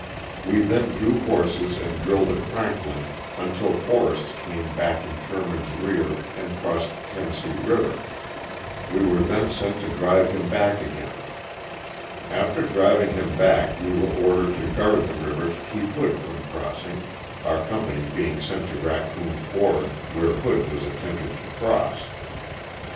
We then drew horses and drilled at Franklin until Forrest came back in Sherman's rear and crossed the Tennessee river. We were then sent to drive him back again. After driving him back we were ordered to guard the river to keep Hood from crossing, our com pany being sent to Raccoon Ford where Hood was attempting to cross.